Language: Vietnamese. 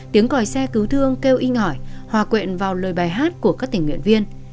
tiếng còi xe cứu thương kêu in ngỏi hòa quyện vào lời bài hát của các tình nguyện viên